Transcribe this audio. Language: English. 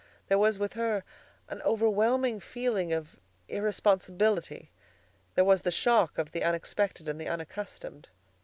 There was with her an overwhelming feeling of irresponsibility. There was the shock of the unexpected and the unaccustomed.